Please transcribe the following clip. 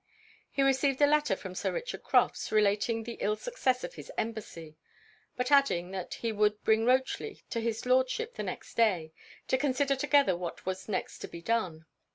He received a letter from Sir Richard Crofts, relating the ill success of his embassy; but adding, that he would bring Rochely to his Lordship the next day, to consider together what was next to be done.